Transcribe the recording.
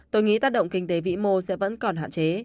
tôi nghĩ tác động kinh tế vĩ mô sẽ vẫn còn hạn chế